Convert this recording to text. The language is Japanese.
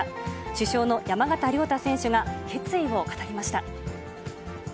主将の山縣亮太選手が決意を語りました。